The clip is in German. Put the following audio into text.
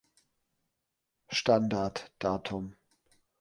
Standard Datum".